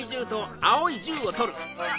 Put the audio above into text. うわ！